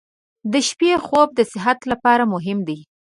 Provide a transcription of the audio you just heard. • د شپې خوب د صحت لپاره مهم دی.